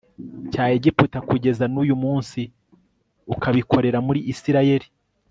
cya Egiputa kugeza n uyu munsi ukabikorera muri Isirayeli